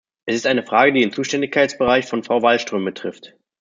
Es ist eine Frage, die den Zuständigkeitsbereich von Frau Wallström betrifft.